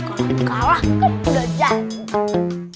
kalau kalah kan udah jatuh